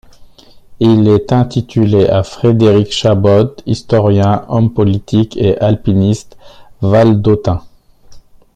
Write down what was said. Il est intitulé à Frédéric Chabod, historien, homme politique et alpiniste valdôtain.